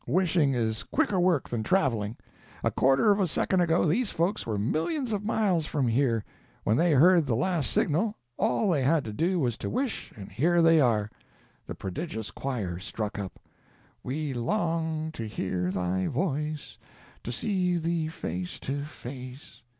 Wishing is quicker work than travelling. A quarter of a second ago these folks were millions of miles from here. When they heard the last signal, all they had to do was to wish, and here they are." The prodigious choir struck up,— We long to hear thy voice, To see thee face to face.